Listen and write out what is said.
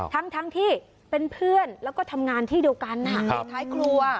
ทั้งที่เป็นเพื่อนแล้วก็ทำงานที่เดียวกันน่ะ